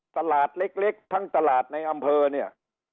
ตลาดเล็กทั้งตลาดในอำเภอเนี่ย